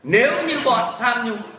nếu như bọn tham nhũng